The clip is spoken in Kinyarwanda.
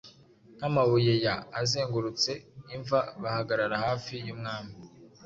Nka amabuye ya azengurutse imva Bahagarara hafi yumwami;